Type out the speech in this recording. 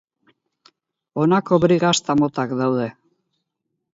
Honako Brie gazta motak daude.